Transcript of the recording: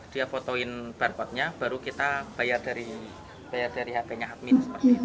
dia fotoin barcode nya baru kita bayar dari hp admin